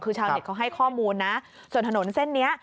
คือชาวเน็ตเขาให้ข้อมูลนะส่วนถนนเส้นนี้